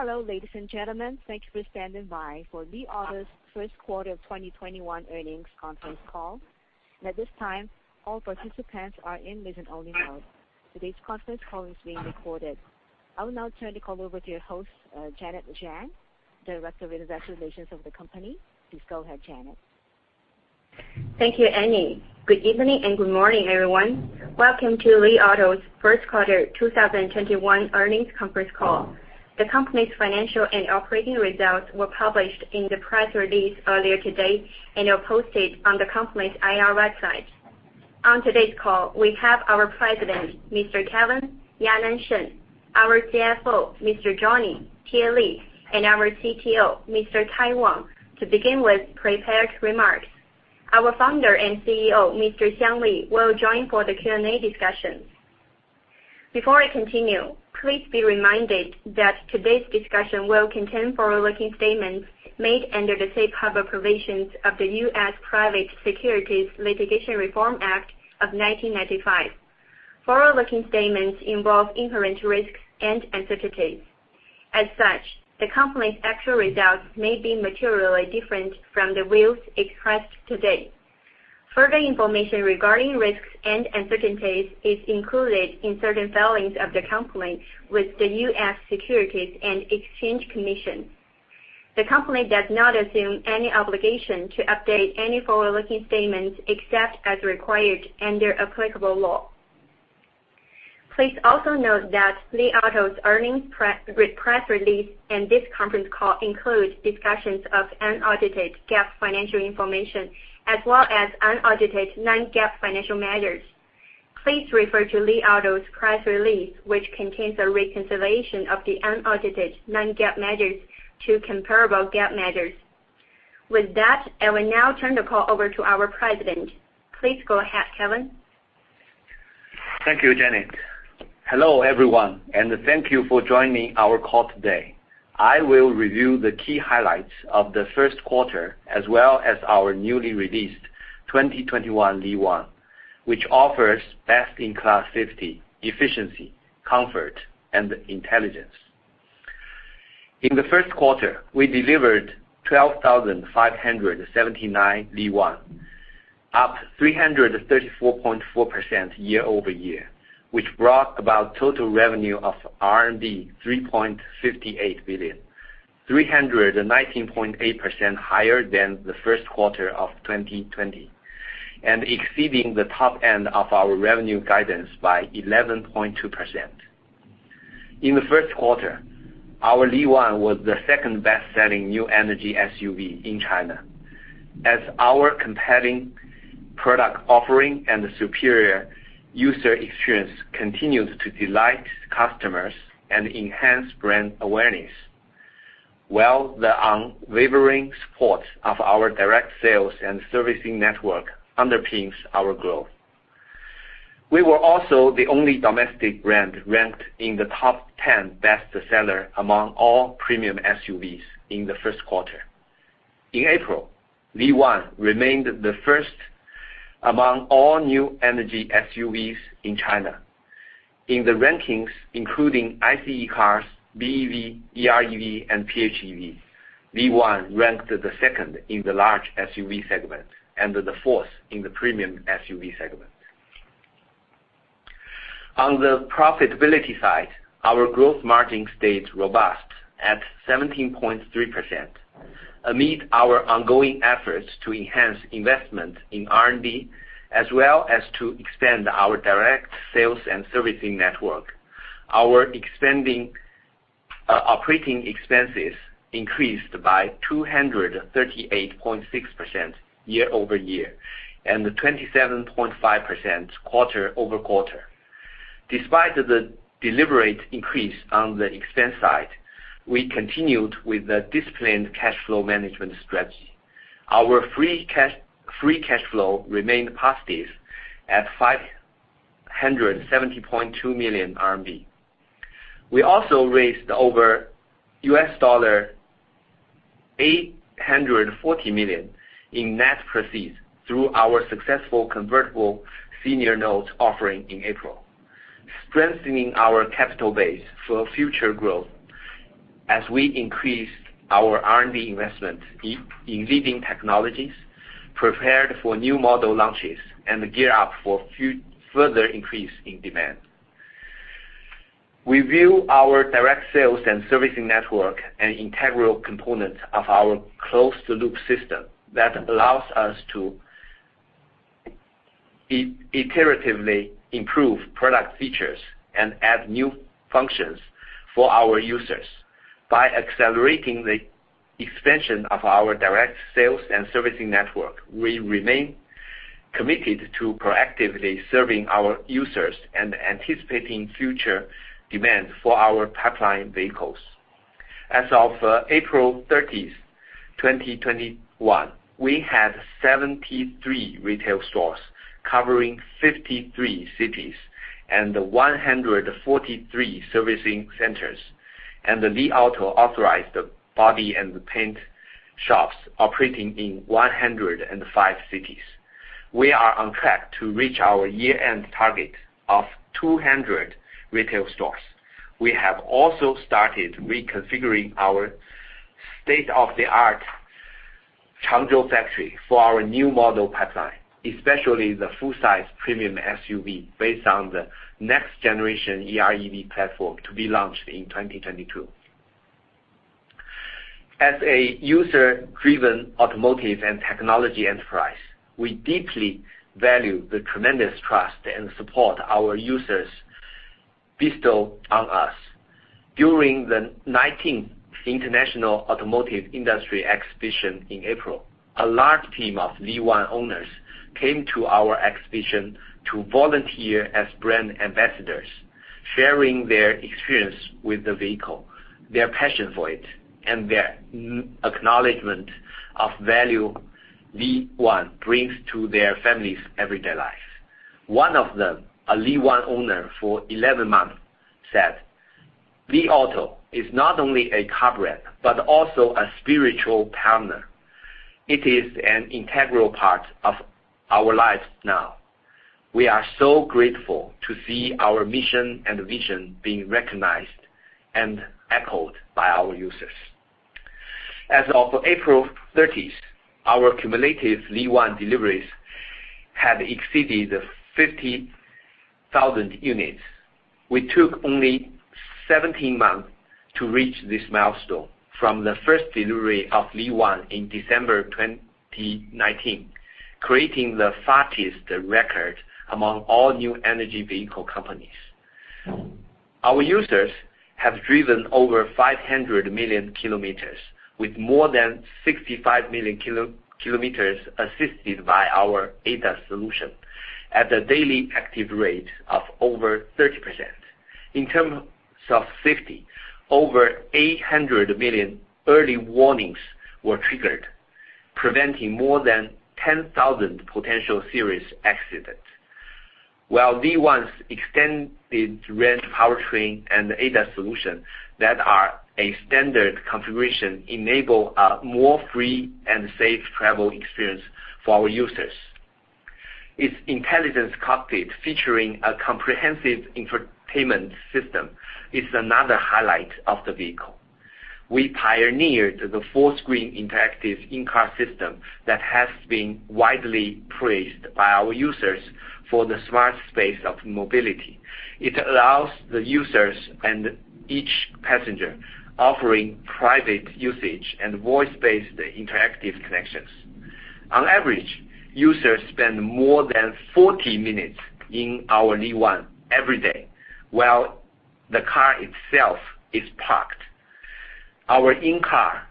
Hello, ladies and gentlemen. Thank you for standing by for Li Auto's first quarter of 2021 earnings conference call. At this time, all participants are in listen-only mode. Today's conference call is being recorded. I will now turn the call over to your host, Janet Chang, director of investor relations of the company. Please go ahead, Annie. Thank you, Annie. Good evening and good morning, everyone. Welcome to Li Auto's first quarter 2021 earnings conference call. The company's financial and operating results were published in the press release earlier today and are posted on the company's IR website. On today's call, we have our president, Mr. Kevin Yanan Shen, our CFO, Mr. Johnny Tie Li, and our CTO, Mr. Kai Wang, to begin with prepared remarks. Our founder and CEO, Mr. Li Xiang, will join for the Q&A discussion. Before I continue, please be reminded that today's discussion will contain forward-looking statements made under the Safe Harbor Provisions of the U.S. Private Securities Litigation Reform Act of 1995. Forward-looking statements involve inherent risks and uncertainties. As such, the company's actual results may be materially different from the views expressed today. Further information regarding risks and uncertainties is included in certain filings of the company with the U.S. Securities and Exchange Commission. The company does not assume any obligation to update any forward-looking statements except as required under applicable law. Please also note that Li Auto's earnings press release and this conference call include discussions of unaudited GAAP financial information as well as unaudited non-GAAP financial measures. Please refer to Li Auto's press release, which contains a reconciliation of the unaudited non-GAAP measures to comparable GAAP measures. With that, I will now turn the call over to our president. Please go ahead, Kevin. Thank you, Janet. Hello, everyone, and thank you for joining our call today. I will review the key highlights of the first quarter, as well as our newly released 2021 Li One, which offers best-in-class safety, efficiency, comfort, and intelligence. In the first quarter, we delivered 12,579 Li One, up 334.4% year-over-year, which brought about total revenue of 3.58 billion, 319.8% higher than the first quarter of 2020 and exceeding the top end of our revenue guidance by 11.2%. In the first quarter, our Li One was the second best-selling new energy SUV in China as our compelling product offering and superior user experience continued to delight customers and enhance brand awareness, while the unwavering support of our direct sales and servicing network underpins our growth. We were also the only domestic brand ranked in the top 10 best seller among all premium SUVs in the first quarter. In April, Li One remained the first among all new energy SUVs in China. In the rankings, including ICE cars, BEV, EREV, and PHEV, Li One ranked the second in the large SUV segment and the fourth in the premium SUV segment. On the profitability side, our gross margin stayed robust at 17.3%. Amid our ongoing efforts to enhance investment in R&D as well as to expand our direct sales and servicing network, our operating expenses increased by 238.6% year-over-year and 27.5% quarter-over-quarter. Despite the deliberate increase on the expense side, we continued with the disciplined cash flow management strategy. Our free cash flow remained positive at 570.2 million RMB. We also raised over $840 million in net proceeds through our successful convertible senior notes offering in April, strengthening our capital base for future growth as we increased our R&D investment in leading technologies, prepared for new model launches, and gear up for further increase in demand. We view our direct sales and servicing network an integral component of our close-to-loop system that allows us to iteratively improve product features and add new functions for our users. By accelerating the expansion of our direct sales and servicing network, we remain committed to proactively serving our users and anticipating future demand for our pipeline vehicles. As of April 30th, 2021, we had 73 retail stores covering 53 cities and 143 servicing centers, and the Li Auto-authorized body and paint shops operating in 105 cities. We are on track to reach our year-end target of 200 retail stores. We have also started reconfiguring our state-of-the-art Changzhou factory for our new model pipeline, especially the full-size premium SUV based on the next-generation EREV platform to be launched in 2022. As a user-driven automotive and technology enterprise, we deeply value the tremendous trust and support our users bestow on us. During the 19th International Automotive Industry Exhibition in April, a large team of Li One owners came to our exhibition to volunteer as brand ambassadors, sharing their experience with the vehicle, their passion for it, and their acknowledgment of value Li One brings to their family's everyday life. One of them, a Li One owner for 11 months, said, "Li Auto is not only a car brand, but also a spiritual partner. It is an integral part of our lives now." We are so grateful to see our mission and vision being recognized and echoed by our users. As of April 30th, our cumulative Li One deliveries have exceeded 50,000 units. We took only 17 months to reach this milestone from the first delivery of Li One in December 2019, creating the fastest record among all new energy vehicle companies. Our users have driven over 500 million kilometers, with more than 65 million kilometers assisted by our ADAS solution at a daily active rate of over 30%. In terms of safety, over 800 million early warnings were triggered, preventing more than 10,000 potential serious accidents. While Li One's extended range powertrain and ADAS solution that are a standard configuration enable a more free and safe travel experience for our users. Its intelligent cockpit, featuring a comprehensive infotainment system, is another highlight of the vehicle. We pioneered the four-screen interactive in-car system that has been widely praised by our users for the smart space of mobility. It allows the users and each passenger offering private usage and voice-based interactive connections. On average, users spend more than 40 minutes in our Li One every day, while the car itself is parked. Our in-car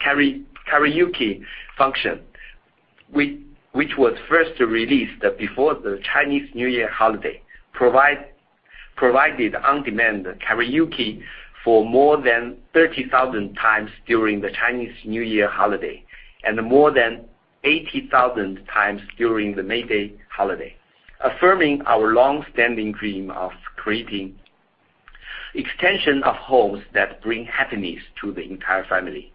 karaoke function, which was first released before the Chinese New Year holiday, provided on-demand karaoke for more than 30,000 times during the Chinese New Year holiday, and more than 80,000 times during the May Day holiday, affirming our long-standing dream of creating extension of homes that bring happiness to the entire family.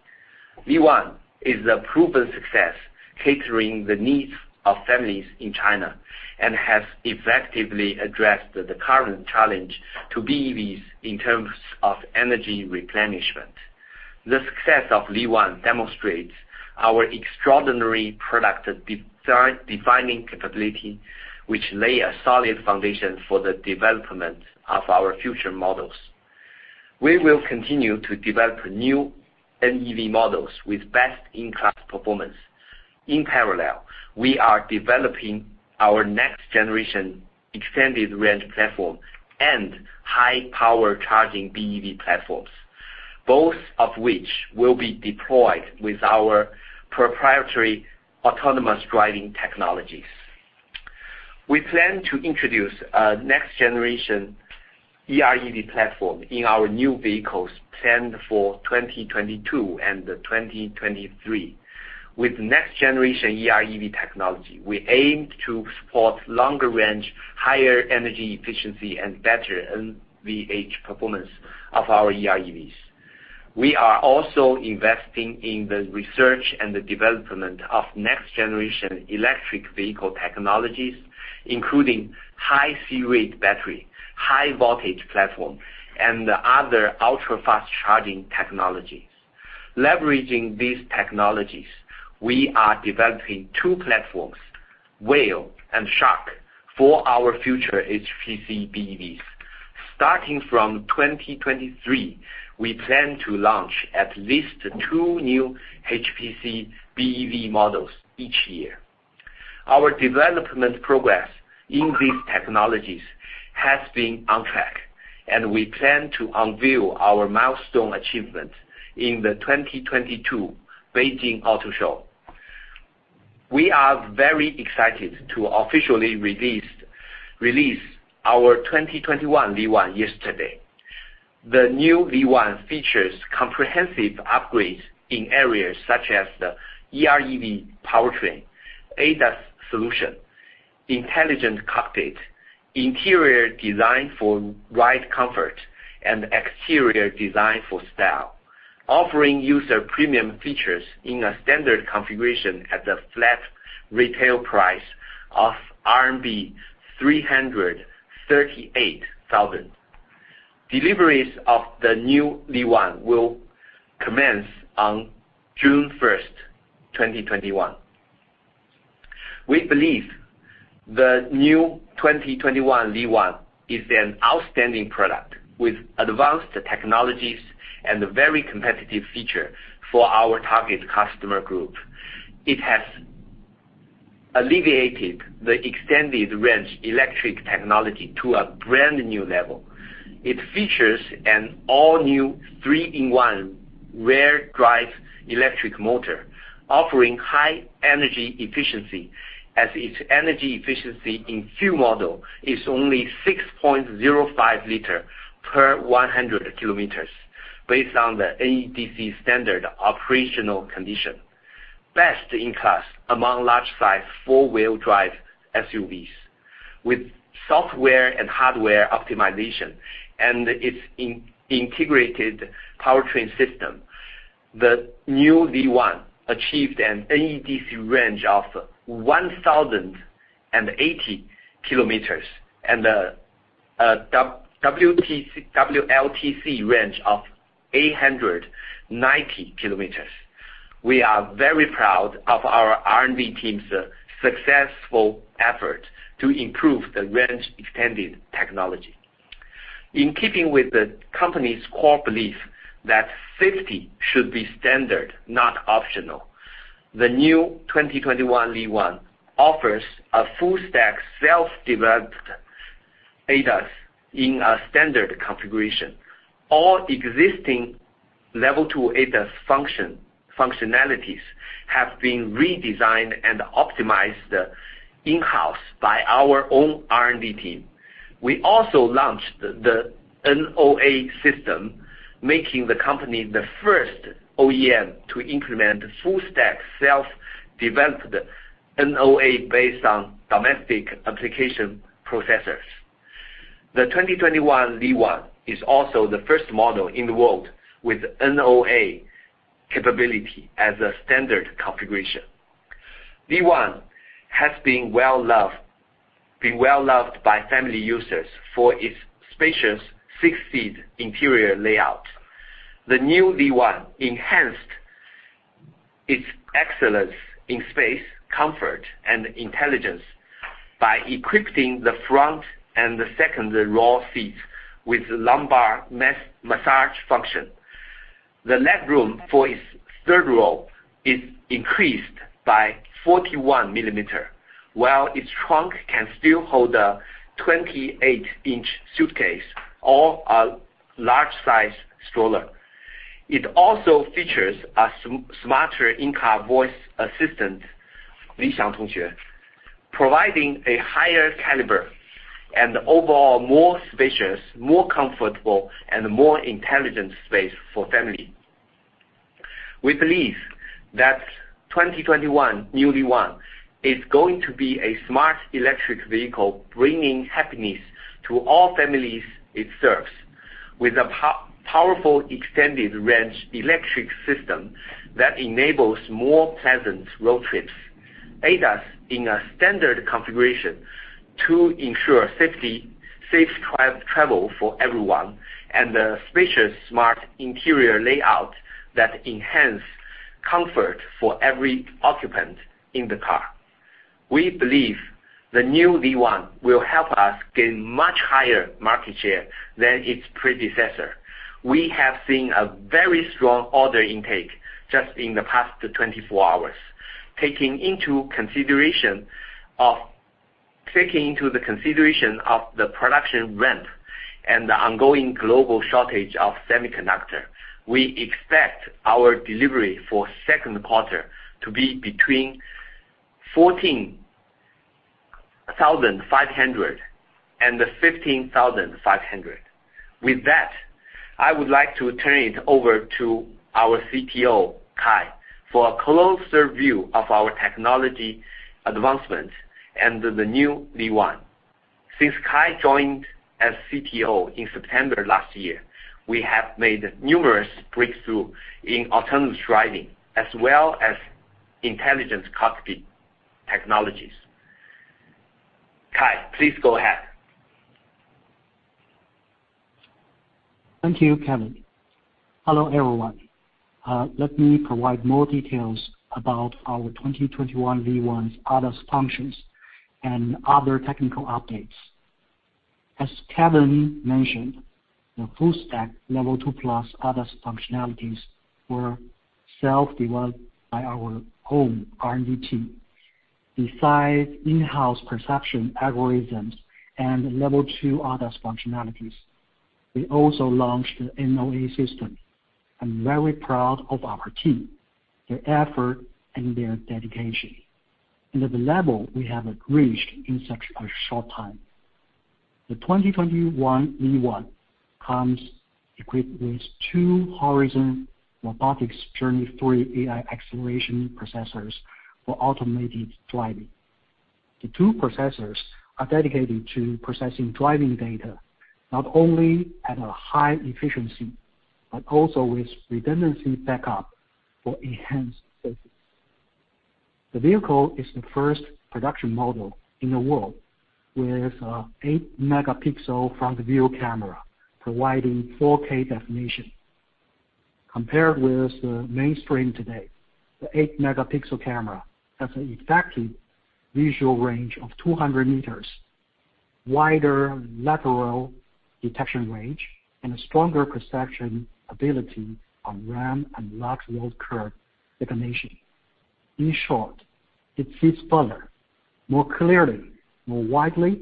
Li One is a proven success, catering the needs of families in China and has effectively addressed the current challenge to BEVs in terms of energy replenishment. The success of Li One demonstrates our extraordinary product-defining capability, which lay a solid foundation for the development of our future models. We will continue to develop new NEV models with best-in-class performance. In parallel, we are developing our next-generation extended-range platform and high-power charging BEV platforms, both of which will be deployed with our proprietary autonomous driving technologies. We plan to introduce a next-generation EREV platform in our new vehicles planned for 2022 and 2023. With next-generation EREV technology, we aim to support longer range, higher energy efficiency, and better NVH performance of our EREVs. We are also investing in the research and the development of next-generation electric vehicle technologies, including high C-rate battery, high voltage platform, and other ultra-fast charging technologies. Leveraging these technologies, we are developing two platforms, Whale and Shark, for our future HPC BEVs. Starting from 2023, we plan to launch at least two new HPC BEV models each year. Our development progress in these technologies has been on track, and we plan to unveil our milestone achievement in the 2022 Beijing Auto Show. We are very excited to officially release our 2021 Li One yesterday. The new Li One features comprehensive upgrades in areas such as the EREV powertrain, ADAS solution Intelligent cockpit, interior design for ride comfort, and exterior design for style. Offering user premium features in a standard configuration at the flat retail price of RMB 338,000. Deliveries of the new Li One will commence on June 1st, 2021. We believe the new 2021 Li One is an outstanding product with advanced technologies and a very competitive feature for our target customer group. It has alleviated the extended range electric technology to a brand-new level. It features an all-new three-in-one rear drive electric motor, offering high energy efficiency as its energy efficiency in Q model is only 6.05 liter per 100 km based on the NEDC standard operational condition. Best in class among large-size four-wheel drive SUVs. With software and hardware optimization and its integrated powertrain system, the new Li One achieved an NEDC range of 1,080 km, and a WLTC range of 890 km. We are very proud of our R&D team's successful effort to improve the range-extending technology. In keeping with the company's core belief that safety should be standard, not optional, the new 2021 Li One offers a full stack self-developed ADAS in a standard configuration. All existing level 2 ADAS functionalities have been redesigned and optimized in-house by our own R&D team. We also launched the NOA system, making the company the first OEM to implement full-stack self-developed NOA based on domestic application processors. The 2021 Li One is also the first model in the world with NOA capability as a standard configuration. Li One has been well-loved by family users for its spacious six-seat interior layout. The new Li One enhanced its excellence in space, comfort, and intelligence by equipping the front and the second row seats with lumbar massage function. The leg room for its third row is increased by 41 millimeters, while its trunk can still hold a 28-inch suitcase or a large size stroller. It also features a smarter in-car voice assistant, Li Xiang Tongxue, providing a higher caliber and overall more spacious, more comfortable, and more intelligent space for family. We believe that 2021 new Li One is going to be a smart electric vehicle, bringing happiness to all families it serves, with a powerful extended-range electric system that enables more pleasant road trips. ADAS in a standard configuration to ensure safe travel for everyone, and a spacious smart interior layout that enhance comfort for every occupant in the car. We believe the new Li One will help us gain much higher market share than its predecessor. We have seen a very strong order intake just in the past 24 hours. Taking into the consideration of the production ramp and the ongoing global shortage of semiconductors, we expect our delivery for second quarter to be between 14,500 and 15,500. With that, I would like to turn it over to our CTO, Kai, for a closer view of our technology advancement and the new Li One. Since Kai joined as CTO in September last year, we have made numerous breakthroughs in autonomous driving as well as intelligent cockpit technologies. Kai, please go ahead. Thank you, Kevin. Hello, everyone. Let me provide more details about our 2021 Li One's ADAS functions and other technical updates. As Kevin mentioned, the full-stack Level 2+ ADAS functionalities were self-developed by our own R&D team. Besides in-house perception algorithms and Level 2 ADAS functionalities, we also launched the NOA system. I'm very proud of our team, their effort and their dedication, and the level we have reached in such a short time. The 2021 Li One comes equipped with two Horizon Robotics Journey 3 AI acceleration processors for automated driving. The two processors are dedicated to processing driving data, not only at a high efficiency, but also with redundancy backup for enhanced safety. The vehicle is the first production model in the world with an 8-megapixel front view camera, providing 4K definition. Compared with the mainstream today, the 8-megapixel camera has an effective visual range of 200 meters, wider lateral detection range, and a stronger perception ability on-ramp and rough road curve definition. In short, it sees further, more clearly, more widely,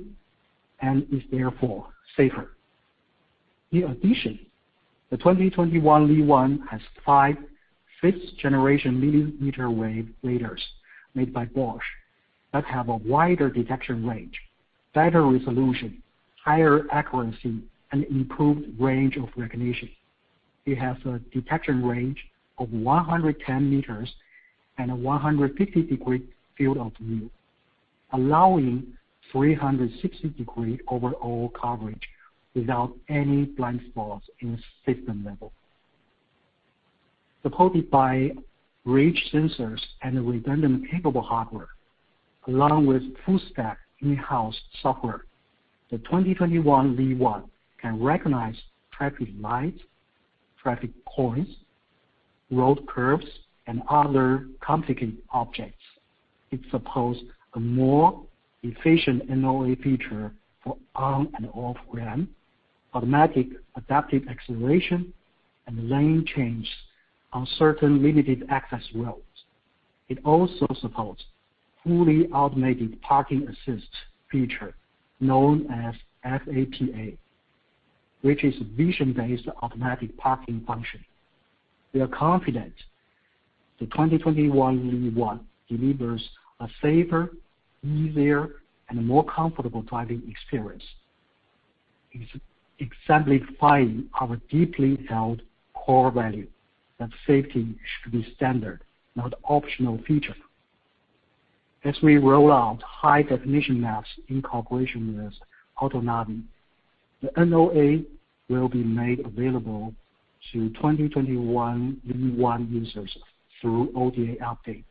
and is therefore safer. In addition, the 2021 Li One has five 5th-generation millimeter-wave radars made by Bosch that have a wider detection range, better resolution, higher accuracy, and improved range of recognition. It has a detection range of 110 meters and a 150-degree field of view, allowing 360-degree overall coverage without any blind spots in system level. Supported by rich sensors and redundancy-capable hardware, along with full-stack in-house software, the 2021 Li One can recognize traffic lights, traffic cones, road curves, and other complicated objects. It supports a more efficient NOA feature for on and off-ramp, automatic adaptive acceleration, and lane change on certain limited access roads. It also supports fully automated parking assist feature known as FAPA, which is vision-based automatic parking function. We are confident the 2021 Li One delivers a safer, easier, and a more comfortable driving experience, exemplifying our deeply held core value that safety should be standard, not optional feature. As we roll out high-definition maps in cooperation with AutoNavi, the NOA will be made available to 2021 Li One users through OTA update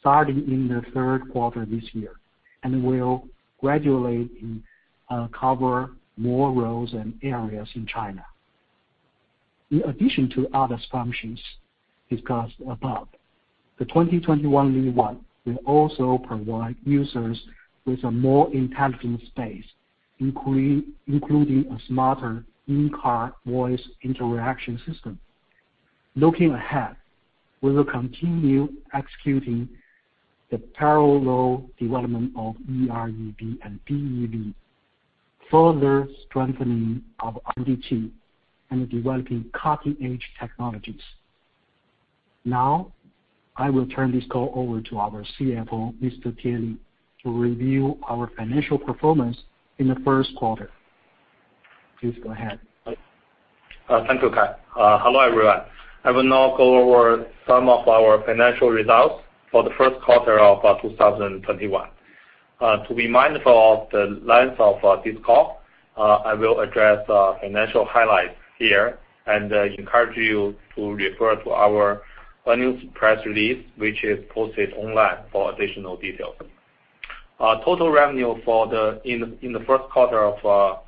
starting in the third quarter this year, and will gradually cover more roads and areas in China. In addition to other functions discussed above, the 2021 Li One will also provide users with a more intelligent space, including a smarter in-car voice interaction system. Looking ahead, we will continue executing the parallel development of EREV and BEV, further strengthening our R&D team and developing cutting-edge technologies. I will turn this call over to our CFO, Mr. Tie Li, to review our financial performance in the first quarter. Please go ahead. Thank you, Kai. Hello, everyone. I will now go over some of our financial results for the first quarter of 2021. To be mindful of the length of this call, I will address financial highlights here and encourage you to refer to our earnings press release, which is posted online for additional details. Total revenue in the first quarter of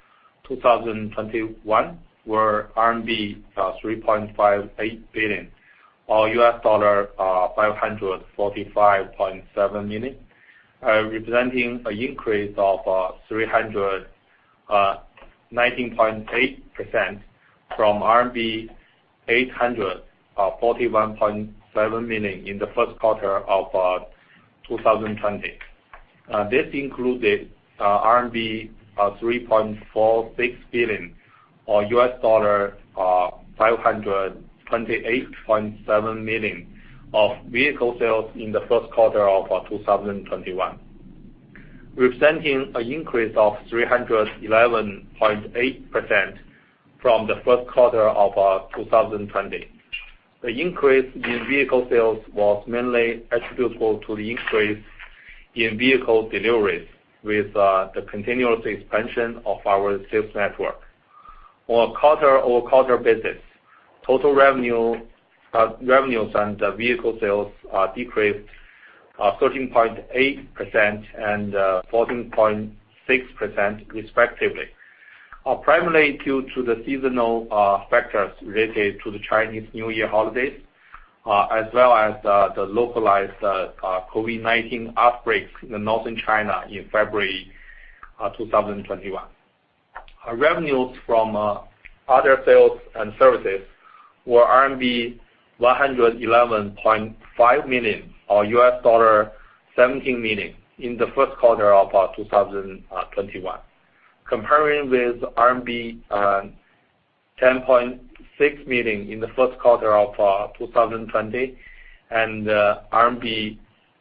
2021 were CNY 3.58 billion, or $545.7 million, representing an increase of 319.8% from RMB 841.7 million in the first quarter of 2020. This included CNY 3.46 billion or $528.7 million of vehicle sales in the first quarter of 2021, representing an increase of 311.8% from the first quarter of 2020. The increase in vehicle sales was mainly attributable to the increase in vehicle deliveries with the continuous expansion of our sales network. On quarter-over-quarter basis, total revenues and vehicle sales decreased 13.8% and 14.6% respectively, primarily due to the seasonal factors related to the Chinese New Year holidays, as well as the localized COVID-19 outbreaks in Northern China in February 2021. Revenues from other sales and services were RMB 111.5 million, or $17 million in the first quarter of 2021. Comparing with RMB 10.6 million in the first quarter of 2020, and RMB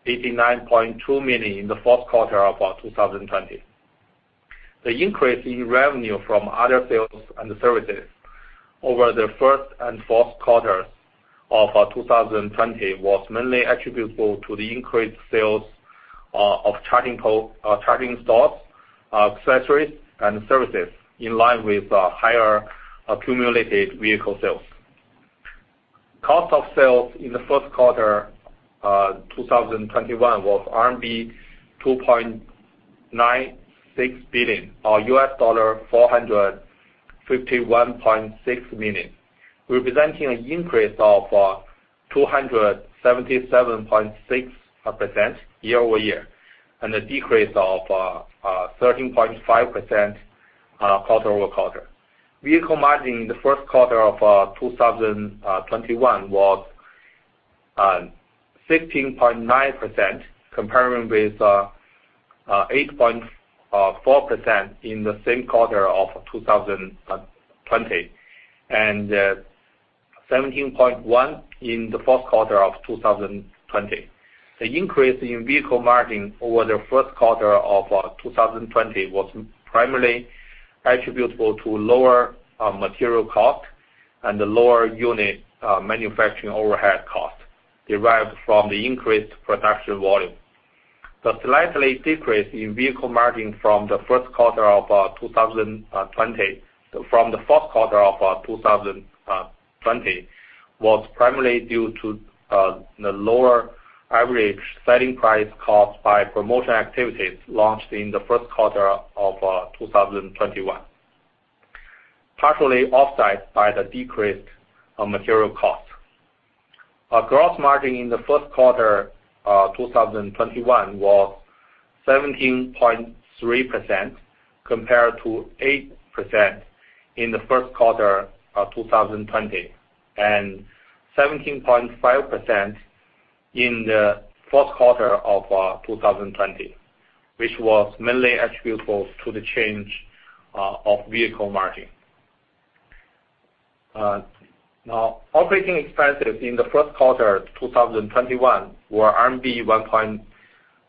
89.2 million in the fourth quarter of 2020. The increase in revenue from other sales and services over the first and fourth quarters of 2020 was mainly attributable to the increased sales of charging stalls, accessories, and services in line with higher accumulated vehicle sales. Cost of sales in the first quarter 2021 was CNY 2.96 billion, or $451.6 million, representing an increase of 277.6% year-over-year and a decrease of 13.5% quarter-over-quarter. Vehicle margin in the first quarter of 2021 was 15.9%, comparing with 8.4% in the same quarter of 2020, and 17.1% in the fourth quarter of 2020. The increase in vehicle margin over the first quarter of 2020 was primarily attributable to lower material cost and the lower unit manufacturing overhead cost derived from the increased production volume. The slight decrease in vehicle margin from the fourth quarter of 2020 was primarily due to the lower average selling price caused by promotion activities launched in the first quarter of 2021, partially offset by the decreased material cost. Our gross margin in the first quarter of 2021 was 17.3%, compared to 8% in the first quarter of 2020, and 17.5% in the fourth quarter of 2020, which was mainly attributable to the change of vehicle margin. Operating expenses in the first quarter of 2021 were RMB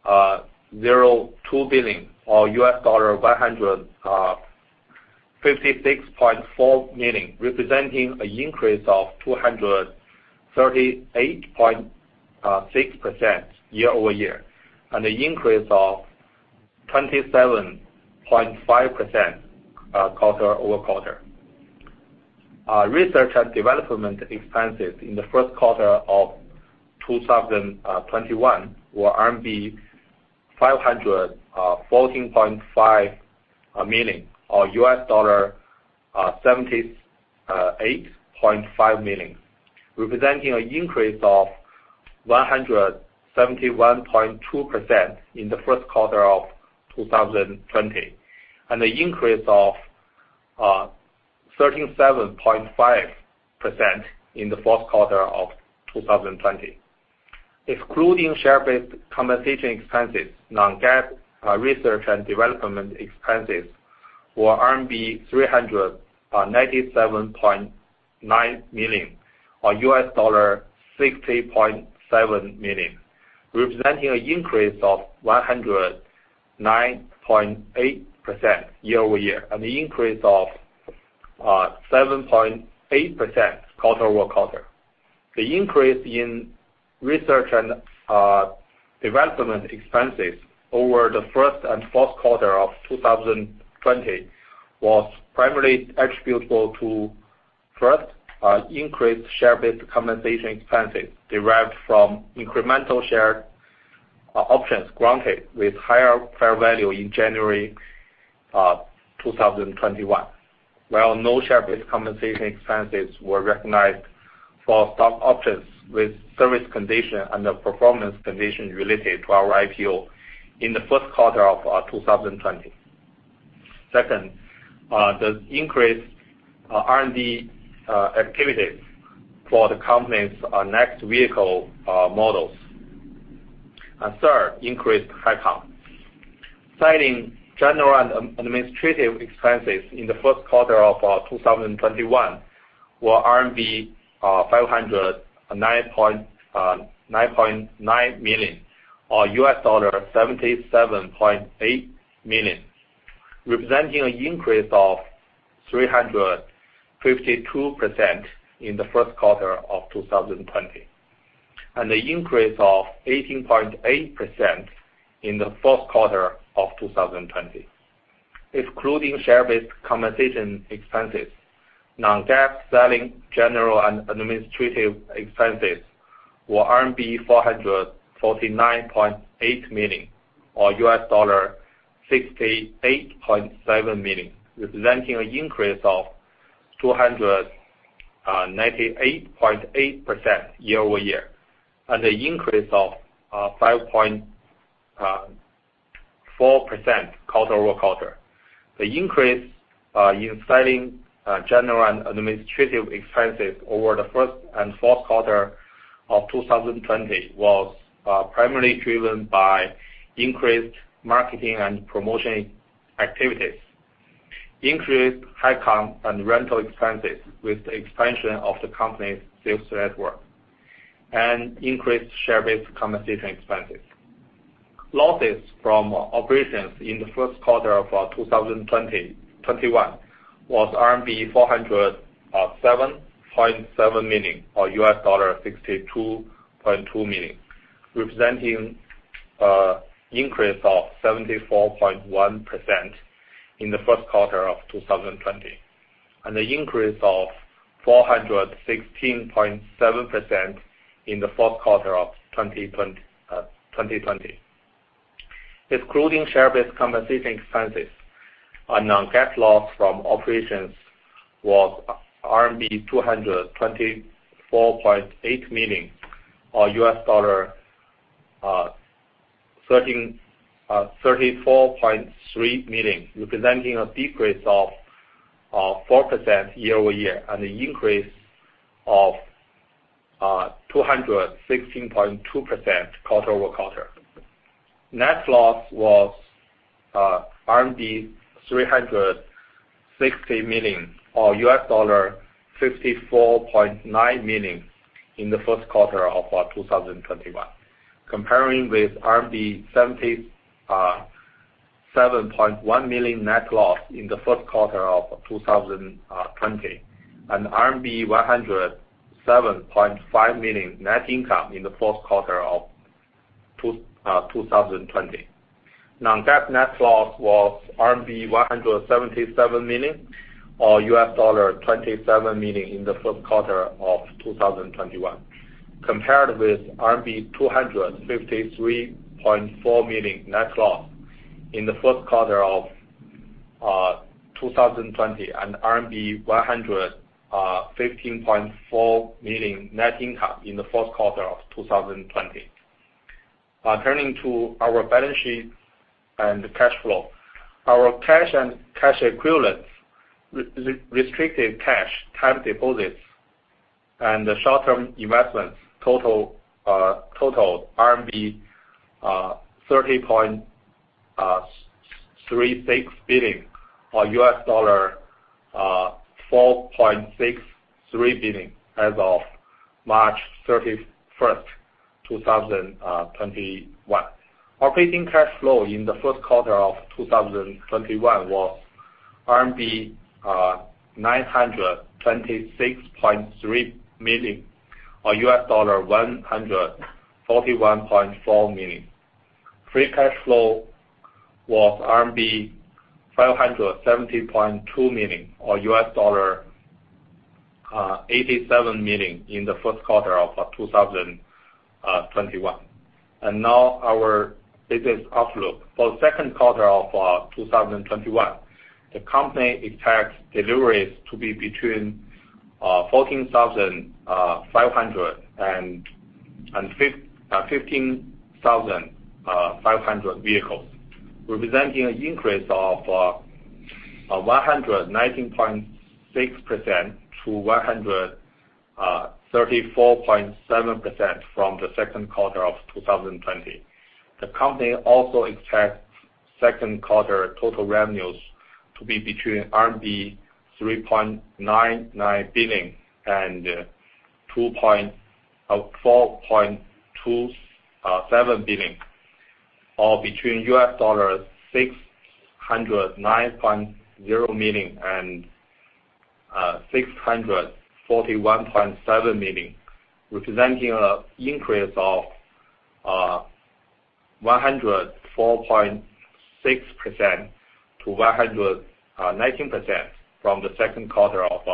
1.02 billion, or $156.4 million, representing an increase of 238.6% year-over-year and an increase of 27.5% quarter-over-quarter. Research and development expenses in the first quarter of 2021 were CNY 514.5 million, or $78.5 million, representing an increase of 171.2% in the first quarter of 2020 and an increase of 37.5% in the fourth quarter of 2020. Excluding share-based compensation expenses, non-GAAP research and development expenses were RMB 397.9 million, or $60.7 million, representing an increase of 109.8% year-over-year and an increase of 7.8% quarter-over-quarter. The increase in research and development expenses over the first and fourth quarter of 2020 was primarily attributable to, first, increased share-based compensation expenses derived from incremental share options granted with higher fair value in January 2021. No share-based compensation expenses were recognized for stock options with service condition and a performance condition related to our IPO in the first quarter of 2020. Second, the increased R&D activities for the company's next vehicle models. Third, increased headcount. Selling, general, and administrative expenses in the first quarter of 2021 were CNY 509.9 million, or $77.8 million, representing an increase of 352% in the first quarter of 2020 and an increase of 18.8% in the fourth quarter of 2020. Excluding share-based compensation expenses, non-GAAP selling, general, and administrative expenses were CNY 449.8 million, or $68.7 million, representing an increase of 298.8% year-over-year and an increase of 5.4% quarter-over-quarter. The increase in selling, general, and administrative expenses over the first and fourth quarter of 2020 was primarily driven by increased marketing and promotion activities, increased high comm and rental expenses with the expansion of the company's sales network, and increased share-based compensation expenses. Losses from operations in the first quarter of 2021 was RMB 407.7 million, or $62.2 million, representing increase of 74.1% in the first quarter of 2020, and an increase of 416.7% in the fourth quarter of 2020. Excluding share-based compensation expenses, our non-GAAP loss from operations was RMB 224.8 million, or $34.3 million, representing a decrease of 4% year-over-year and an increase of 216.2% quarter-over-quarter. Net loss was RMB 360 million, or $54.9 million in the first quarter of 2021. Comparing with 77.1 million net loss in the first quarter of 2020, and RMB 107.5 million net income in the fourth quarter of 2020. Non-GAAP net loss was RMB 177 million, or US$27 million in the first quarter of 2021, compared with RMB 253.4 million net loss in the first quarter of 2020 and RMB 115.4 million net income in the fourth quarter of 2020. Turning to our balance sheet and cash flow. Our cash and cash equivalents, restricted cash, time deposits, and the short-term investments totaled RMB 30.36 billion, or US$4.63 billion as of March 31st, 2021. Operating cash flow in the first quarter of 2021 was RMB 926.3 million, or US$141.4 million. Free cash flow was RMB 570.2 million, or US$87 million in the first quarter of 2021. Now our business outlook. For second quarter of 2021, the company expects deliveries to be between 14,500 and 15,500 vehicles, representing an increase of 119.6% to 134.7% from the second quarter of 2020. The company also expects second quarter total revenues to be between RMB 3.99 billion and 4.27 billion, or between US$609.0 million and 641.7 million, representing an increase of 104.6% to 119% from the second quarter of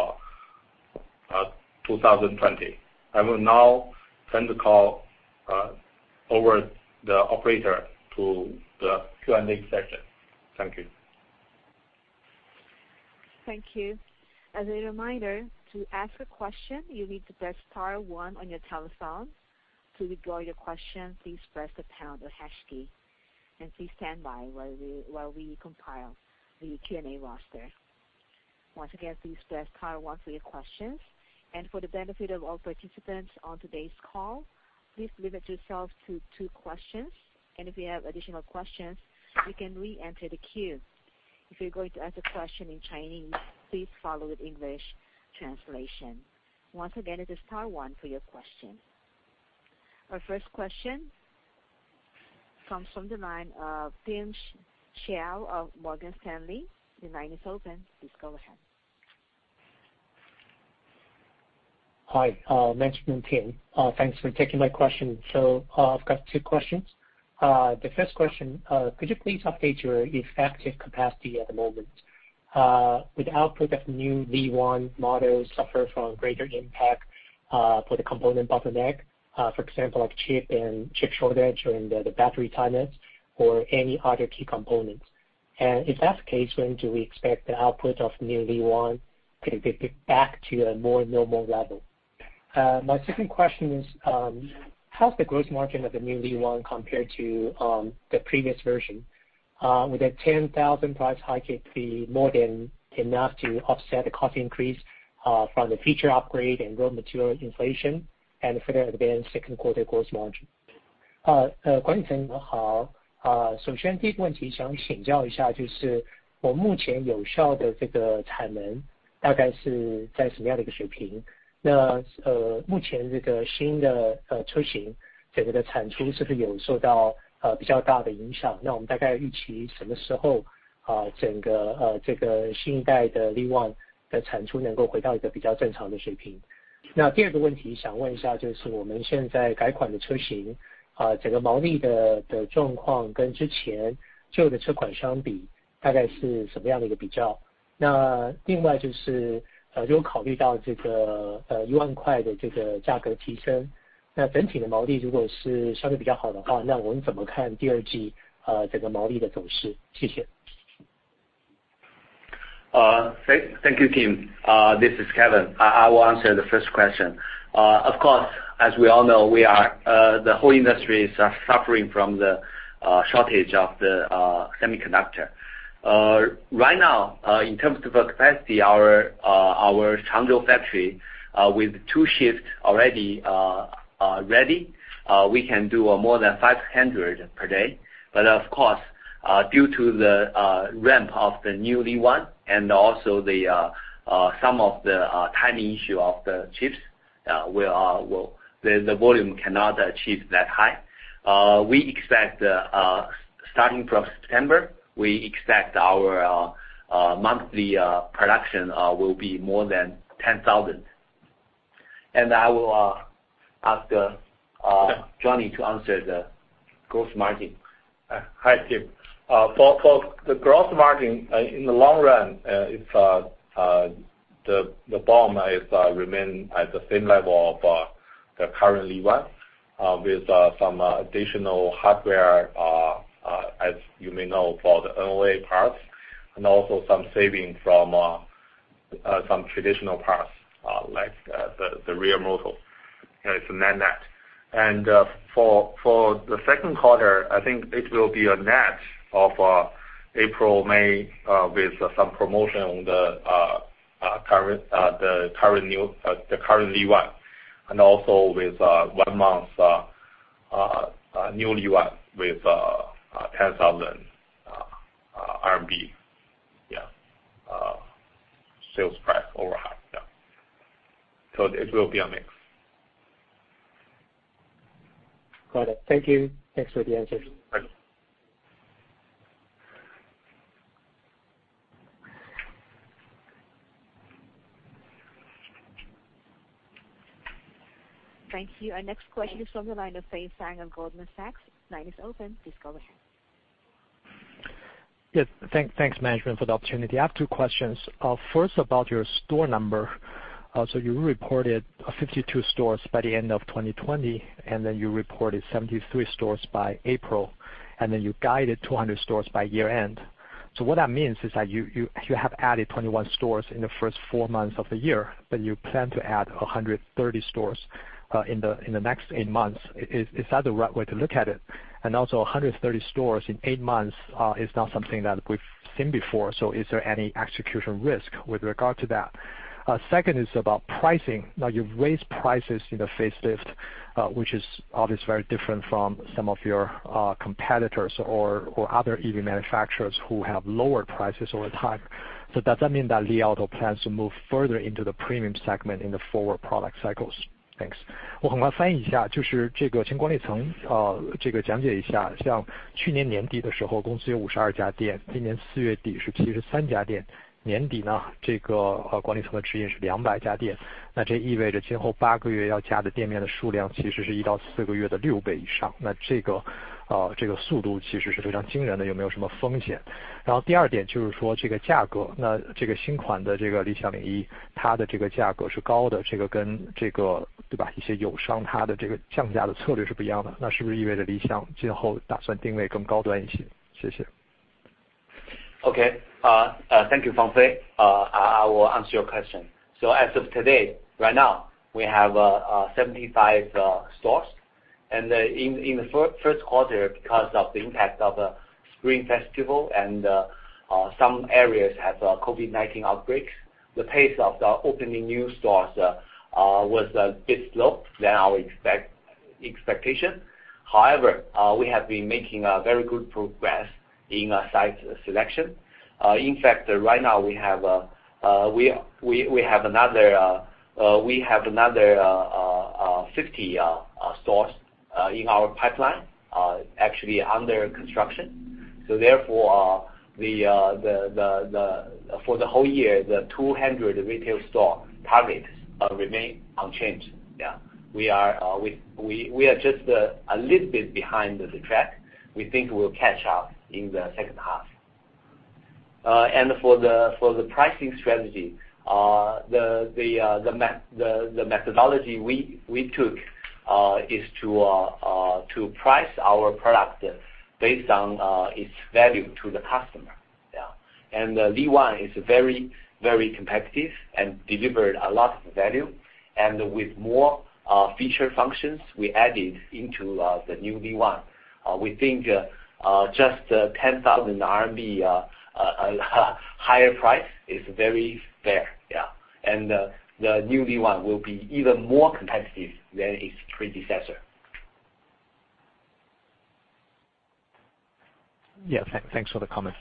2020. I will now turn the call over the operator to the Q&A session. Thank you. Thank you. As a reminder, to ask a question, you need to press star one on your telephone. To withdraw your question, please press the pound or hash key, and please stand by while we compile the Q&A roster. Once again, please press star one for your questions. For the benefit of all participants on today's call, please limit yourself to two questions, and if you have additional questions, you can re-enter the queue. If you're going to ask a question in Chinese, please follow with English translation. Once again, it is star one for your question. Our first question comes from the line of Tim Hsiao of Morgan Stanley. Your line is open. Please go ahead. Hi. My name is Tim. Thanks for taking my question. I've got two questions. The first question, could you please update your effective capacity at the moment? With output of new V1 models suffer from greater impact, for the component bottleneck, for example, like chip and chip shortage and the battery timings or any other key components. If that's the case, when do we expect the output of new V1 to get back to a more normal level? My second question is, how is the gross margin of the new V1 compared to the previous version? With that 10,000 price hike, it will be more than enough to offset the cost increase from the feature upgrade and raw material inflation, and further advance second quarter gross margin. Thank you, Tim. This is Kevin. I will answer the first question. As we all know, the whole industry is suffering from the shortage of the semiconductor. Right now, in terms of our capacity, our Changzhou factory with 2 shifts already ready, we can do more than 500 per day. Of course, due to the ramp of the new Li One and also some of the timing issue of the chips, the volume cannot achieve that high. Starting from September, we expect our monthly production will be more than 10,000. I will ask Johnny to answer the gross margin. Hi, Tim. For the gross margin, in the long run, the BOM remains at the same level of the current Li One, with some additional hardware, as you may know, for the OA parts, and also some saving from some traditional parts, like the rear motor. It's net-net. For the second quarter, I think it will be a net of April, May, with some promotion on the current Li One, and also with 1 month new Li One with 10,000 RMB sales price overhang. Yeah. It will be a mix. Got it. Thank you. Thanks for the answers. Thank you. Thank you. Our next question is from the line of Fei Fang of Goldman Sachs. Line is open. Please go ahead. Yes. Thanks, management, for the opportunity. I have two questions. First, about your store number. You reported 52 stores by the end of 2020, then you reported 73 stores by April, then you guided 200 stores by year-end. What that means is that you have added 21 stores in the first four months of the year, but you plan to add 130 stores in the next eight months. Is that the right way to look at it? Also, 130 stores in eight months is not something that we've seen before. Is there any execution risk with regard to that? Second is about pricing. Now, you've raised prices in the facelift, which is obviously very different from some of your competitors or other EV manufacturers who have lowered prices over time. Does that mean that Li Auto plans to move further into the premium segment in the forward product cycles? Thanks. Okay. Thank you, Fei Fang. I will answer your question. As of today, right now, we have 75 stores. In the first quarter, because of the impact of the Spring Festival and some areas had COVID-19 outbreaks, the pace of the opening new stores was a bit slow than our expectation. However, we have been making very good progress in site selection. In fact, right now we have another 50 stores in our pipeline, actually under construction. Therefore, for the whole year, the 200 retail store targets remain unchanged. Yeah. We are just a little bit behind the track. We think we'll catch up in the second half. For the pricing strategy, the methodology we took is to price our product based on its value to the customer. Yeah. The Li One is very competitive and delivered a lot of value. With more feature functions we added into the new Li One, we think just 10,000 RMB higher price is very fair, yeah. The new Li One will be even more competitive than its predecessor. Yes. Thanks for the comment.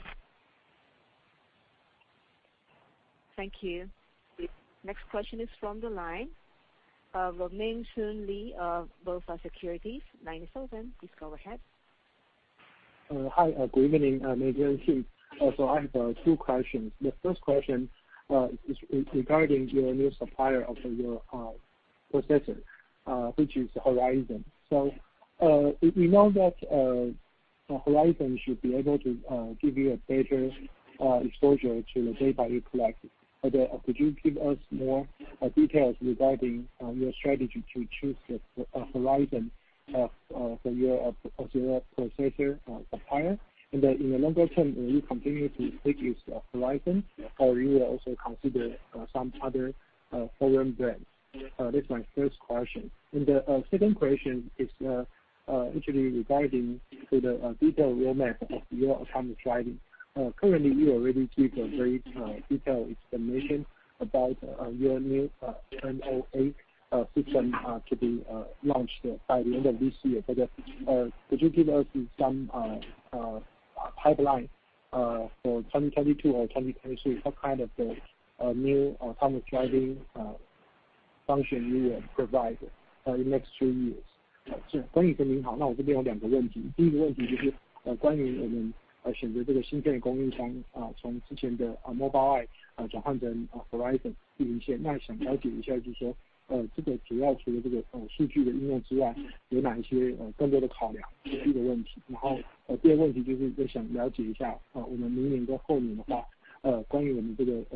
Thank you. The next question is from the line, Ming Hsun Lee of BofA Securities. Line is open. Please go ahead. Hi, good evening. Ming Hsun Lee. I have two questions. The first question is regarding your new supplier of your processor, which is Horizon. We know that Horizon should be able to give you a better exposure to the data you collect. Could you give us more details regarding your strategy to choose Horizon as your processor supplier? In the longer term, will you continue to make use of Horizon, or you will also consider some other foreign brands? That's my first question. The second question is actually regarding the detailed roadmap of your autonomous driving. Currently, you already give a very detailed explanation about your new NOA system to be launched by the end of this year. Could you give us some pipeline for 2022 or 2023, what kind of new autonomous driving function you will provide in next three years? Thank you, Mr. Li.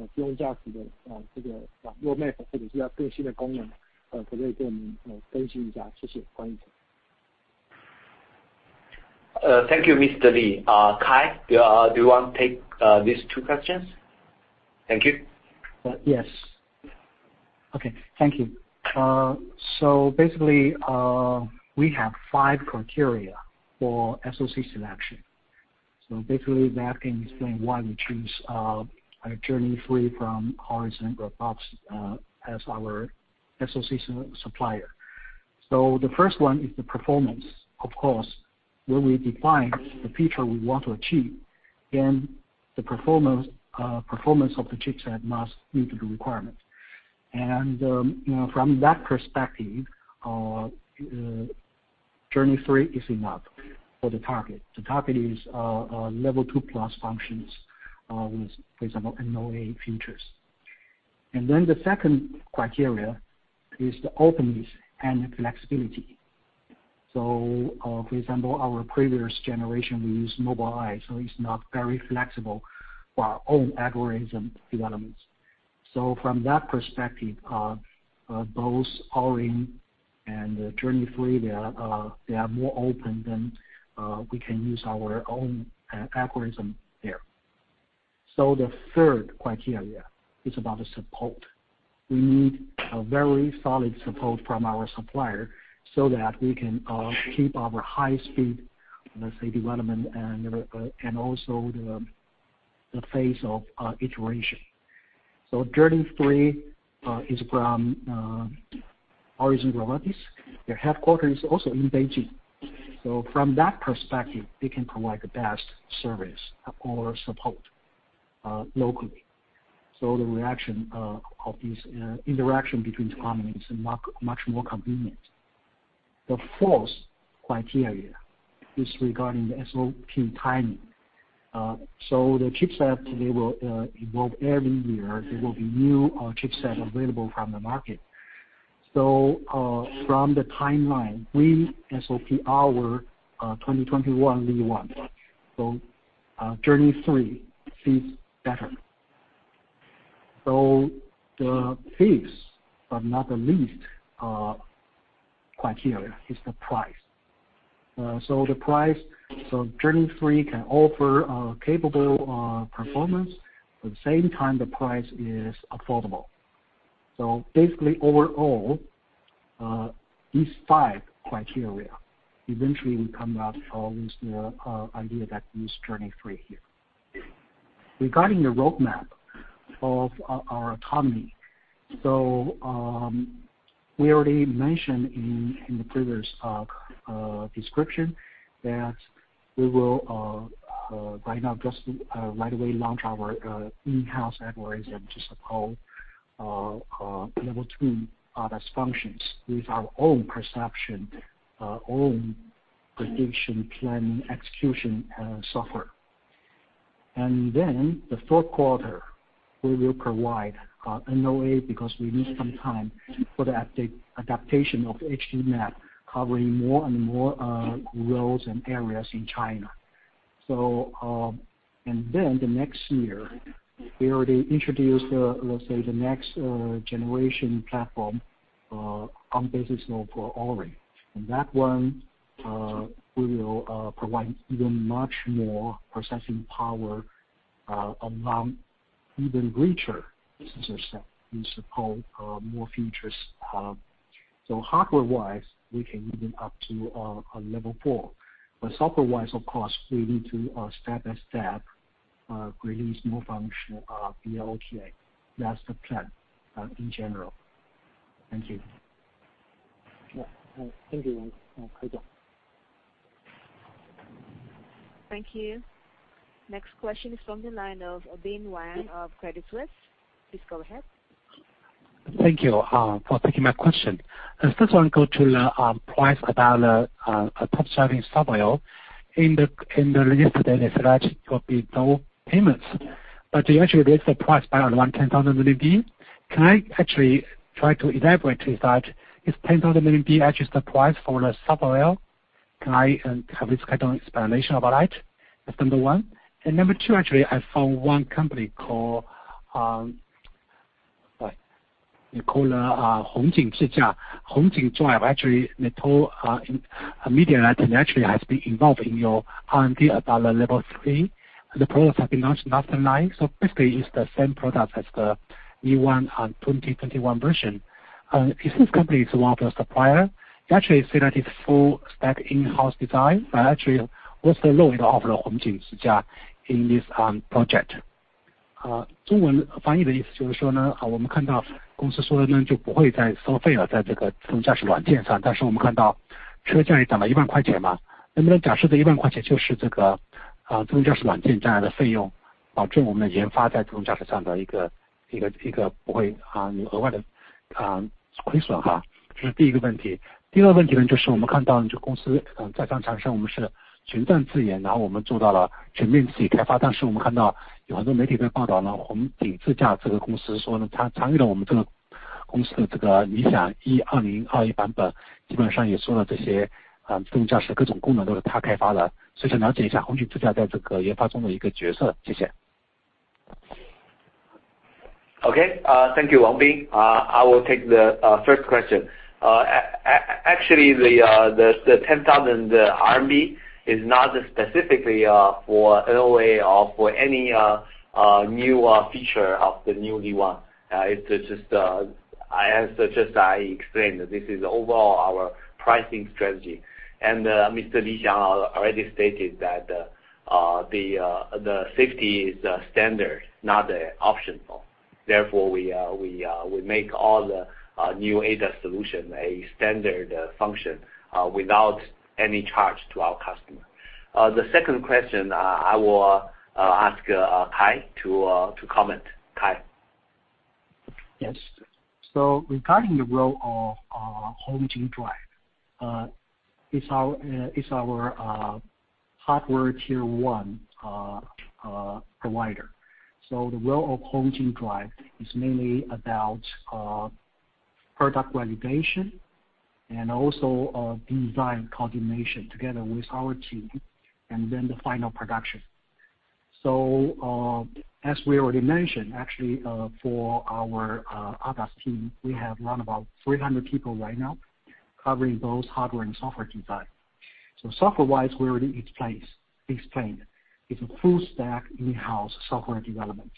Kai, do you want to take these two questions? Thank you. Yes. Okay. Thank you. Basically, we have five criteria for SoC selection. Basically, that can explain why we choose Journey 3 from Horizon Robotics as our SoC supplier. The first one is the performance, of course, where we define the feature we want to achieve, and the performance of the chipset must meet the requirement. From that perspective, Journey 3 is enough for the target. The target is Level 2+ functions with, for example, NOA features. Then the second criteria is the openness and flexibility. For example, our previous generation, we used Mobileye, it's not very flexible for our own algorithm developments. From that perspective, both Orin and Journey 3, they are more open, then we can use our own algorithm there. The third criteria is about the support. We need a very solid support from our supplier so that we can keep our high speed, let's say, development and also the phase of iteration. Journey 3 is from Horizon Robotics. Their headquarter is also in Beijing. From that perspective, they can provide the best service or support locally. The interaction between companies is much more convenient. The fourth criteria is regarding the SOP timing. The chipset, they will evolve every year. There will be new chipsets available from the market. From the timeline, we SOP our 2021 Li One. Journey 3 fits better. The fifth, but not the least criteria, is the price. The price, Journey 3 can offer capable performance, at the same time, the price is affordable. Basically overall, these five criteria, eventually we come out with the idea that we use Journey 3 here. Regarding the roadmap of our autonomy, we already mentioned in the previous description that we will right away launch our in-house algorithm to support Level 2+ functions with our own perception, own prediction planning execution software. Then the fourth quarter, we will provide NOA because we need some time for the adaptation of HD map covering more and more roads and areas in China. Then the next year, we already introduced, let's say, the next generation platform on basis of Orin. That one, we will provide even much more processing power among even richer sensor set and support more features. Hardware-wise, we can even up to a Level 4. Software-wise, of course, we need to step by step release new function of the LKA. That's the plan in general. Thank you. Yeah. Thank you, Kai. Thank you. Next question is from the line of Bin Wang of Credit Suisse. Please go ahead. Thank you for taking my question. I first want to go to the price about the top-driving software. In the release today, they said that there will be no payments. They actually raised the price by 10,000 RMB. Can I actually try to elaborate is that, is 10,000 RMB actually the price for the software? Can I have this kind of explanation about it? That's number one. Number two, actually, I found one company called Hongjing Zhijia. Hongjing Drive, actually, the media written actually has been involved in your R&D about the Level 3. The products have been launched in 2009, so basically, it's the same product as the new one on 2021 version. Is this company one of the supplier? They actually say that it's full stack in-house design, but actually, what's the role of the Hongjing Zhijia in this project? Okay, thank you, Wang Bin. I will take the first question. Actually, the 10,000 RMB is not specifically for NOA or for any new feature of the new Li One. It's just as I explained, this is overall our pricing strategy. Mr. Li Xiang already stated that the safety is standard, not optional. Therefore, we make all the new ADAS solution a standard function without any charge to our customer. The second question, I will ask Kai to comment. Kai. Yes. Regarding the role of Hongjing Drive, it's our hardware tier 1 provider. The role of Hongjing Drive is mainly about product validation and also design coordination together with our team, and then the final production. As we already mentioned, actually, for our ADAS team, we have around about 300 people right now covering both hardware and software design. Software-wise, we already explained. It's a full-stack in-house software development,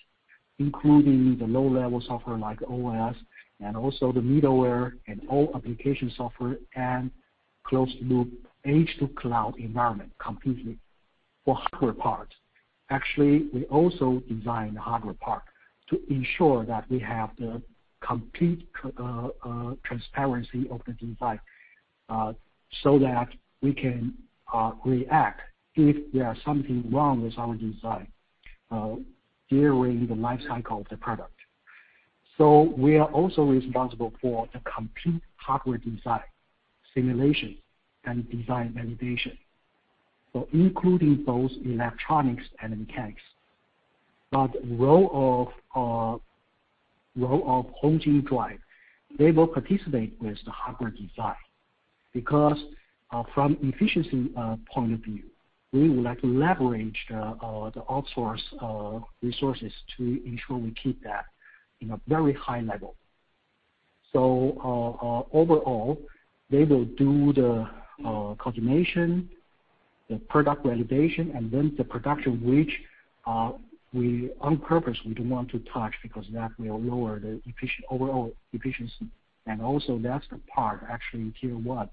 including the low-level software like OS and also the middleware and all application software and closed-loop edge-to-cloud environment completely. For hardware parts, actually, we also design the hardware part to ensure that we have the complete transparency of the design, so that we can react if there are something wrong with our design during the life cycle of the product. We are also responsible for the complete hardware design, simulation, and design validation. Including both electronics and mechanics. Role of Hongjing Drive, they will participate with the hardware design, because from efficiency point of view, we would like to leverage the outsource resources to ensure we keep that in a very high level. Overall, they will do the coordination, the product validation, and then the production, which on purpose we don't want to touch because that will lower the overall efficiency. Also that's the part, actually, tier 1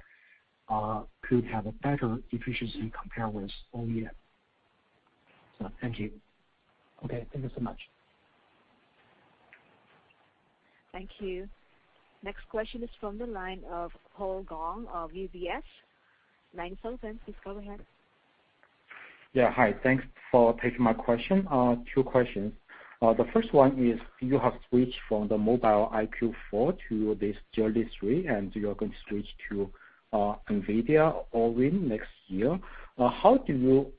could have a better efficiency compared with OEM. Thank you. Okay. Thank you so much. Thank you. Next question is from the line of Paul Gong of UBS. Line open, please go ahead. Hi. Thanks for taking my question. Two questions. The first one is, you have switched from the Mobileye EyeQ4 to this Journey 3, and you are going to switch to NVIDIA Orin next year. How do you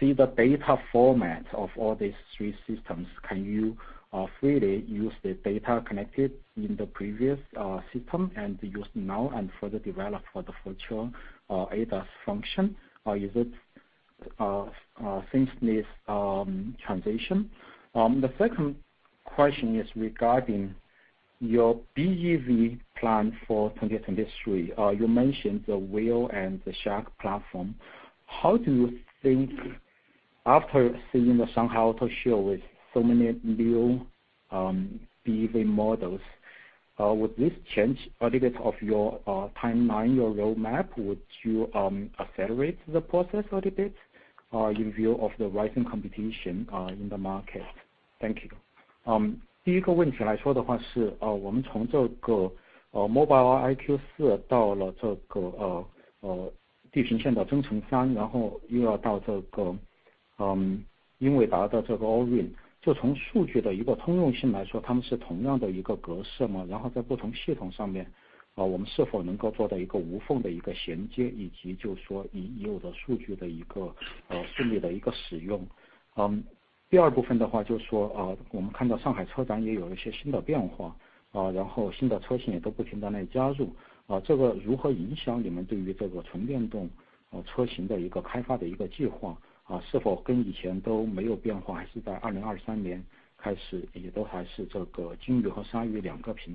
see the data format of all these three systems? Can you freely use the data collected in the previous system and use now and further develop for the future ADAS function? Or is it seamlessly transition. The second question is regarding your BEV plan for 2023. You mentioned the Whale and the Shark platform. How do you think after seeing the Shanghai Auto Show with so many new BEV models, would this change a little bit of your timeline, your roadmap? Would you accelerate the process a little bit in view of the rising competition in the market?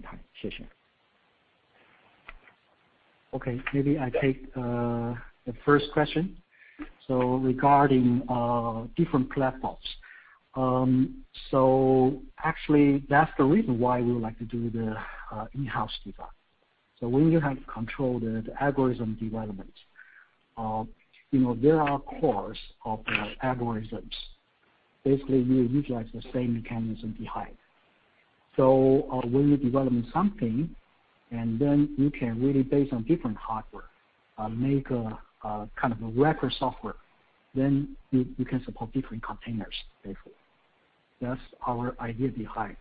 Thank you. Okay, maybe I take the first question. Actually, that's the reason why we would like to do the in-house design. When you have control the algorithm development, there are cores of the algorithms. Basically, we utilize the same mechanism behind. When you're developing something, you can really base on different hardware, make a kind of a wrapper software, you can support different containers basically. That's our idea behind.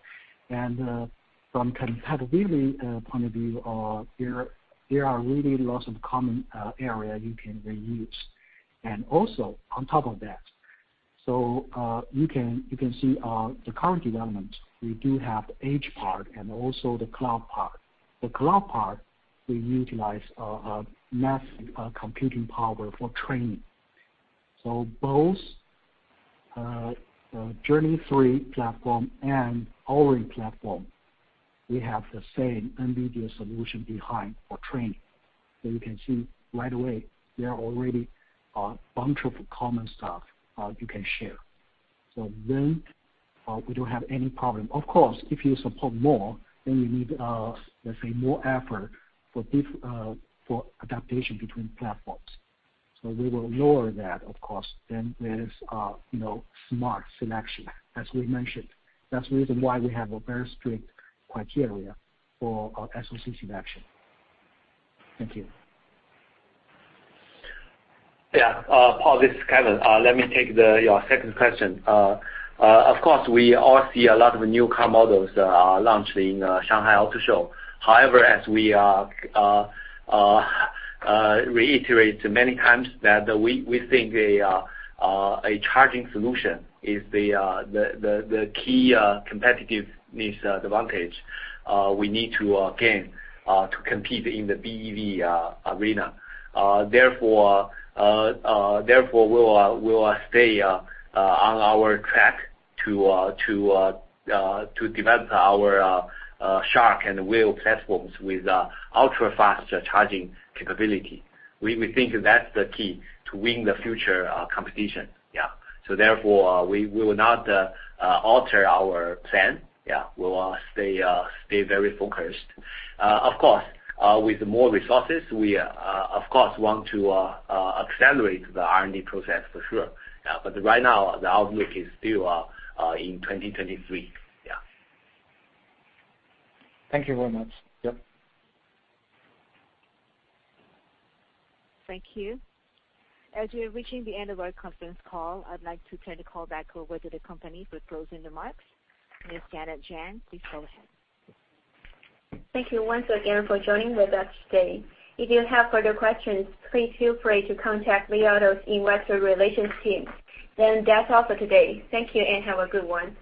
From compatibility point of view, there are really lots of common area you can reuse. Also, on top of that, you can see the current development, we do have the edge part and also the cloud part. The cloud part, we utilize a massive computing power for training. Both Journey 3 platform and Orin platform, we have the same NVIDIA solution behind for training. You can see right away, there are already a bunch of common stuff you can share. We don't have any problem. Of course, if you support more, you need, let's say, more effort for adaptation between platforms. We will lower that, of course, there is smart selection, as we mentioned. That's the reason why we have a very strict criteria for our SoC selection. Thank you. Yeah, Paul, this is Kevin. Let me take your second question. Of course, we all see a lot of new car models launched in Shanghai Auto Show. However, as we reiterate many times that we think a charging solution is the key competitiveness advantage we need to gain to compete in the BEV arena. Therefore, we will stay on our track to develop our Shark and Whale platforms with ultra-fast charging capability. We think that's the key to win the future competition. Yeah. Therefore, we will not alter our plan. Yeah. We'll stay very focused. Of course, with more resources, we of course, want to accelerate the R&D process for sure. Yeah. Right now, the outlook is still in 2023. Yeah. Thank you very much. Yep. Thank you. As we're reaching the end of our conference call, I'd like to turn the call back over to the company to close the remarks. Ms. Janet Chang, please go ahead. Thank you once again for joining with us today. If you have further questions, please feel free to contact Li Auto's investor relations team. That's all for today. Thank you and have a good one.